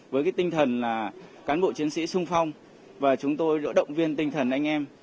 với cái tinh thần là cán bộ chiến sĩ sung phong và chúng tôi đã động viên tinh thần anh em